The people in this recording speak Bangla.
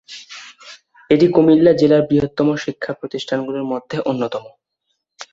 এটি কুমিল্লা জেলার বৃহত্তর শিক্ষা প্রতিষ্ঠানগুলির মধ্যে অন্যতম।